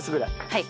はい。